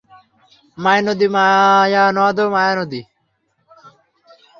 মায়ানদি, মায়ানদও, মায়ানদি।